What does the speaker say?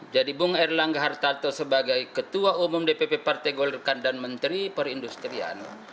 jadi bung erlangga hartarto sebagai ketua umum dpp partai golkar dan menteri perindustrian